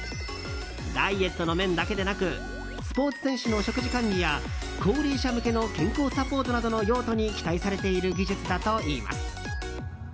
ダイエットの面だけでなくスポーツ選手の食事管理や高齢者向けの健康サポートなどの用途に期待されている技術だといいます。